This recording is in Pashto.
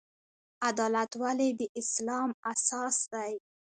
عدالت ولې د اسلام اساس دی؟